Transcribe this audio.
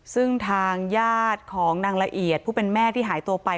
ซึ่งทางญาติของนางละเอียดผู้เป็นแม่ที่หายตัวไป